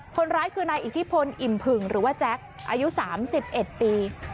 คนร้ายคือนายอิขิพลอิ่มพึงหรือว่าแจ๊กอายุสามสิบเอ็ดปี